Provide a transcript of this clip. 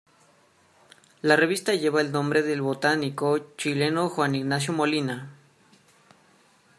La revista lleva el nombre de botánico chileno Juan Ignacio Molina.